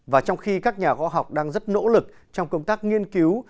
và trong khi các nhà khoa học đang rất nỗ lực trong công tác nghiên cứu